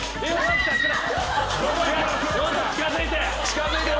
近づいて。